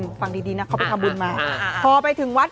ชอบฟังดีน่ะเพื่อทำบุญมาพอไปถึงวัด